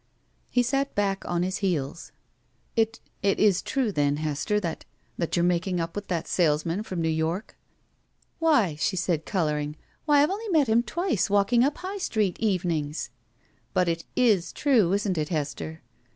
He sat back on his heels. "It — Is it true, then, Hester that — that you're making up with that salesman from New York?" "Why," she said, coloring— "why, I've only met him twice walking up High Street, evenings!" "But it is true, isn't it, Hester?"